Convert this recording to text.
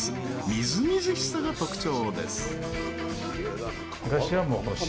みずみずしさが特徴です。